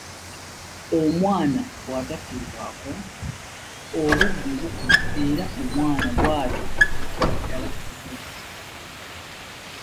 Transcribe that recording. "Omwana bw'atafiibwako, obubbi bukula era omwana bw'atyo afuukira ddala mubbi."